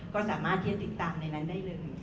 ก็สามารถที่จะติดตามในนั้นได้เลย